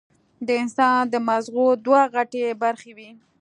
د انسان د مزغو دوه غټې برخې وي